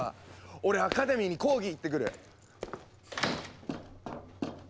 俺アカデミーに抗議行ってくる。